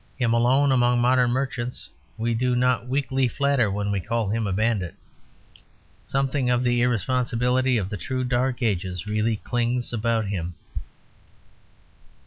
Him alone among modern merchants we do not weakly flatter when we call him a bandit. Something of the irresponsibility of the true dark ages really clings about him.